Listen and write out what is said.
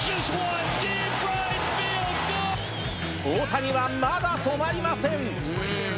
大谷はまだ止まりません。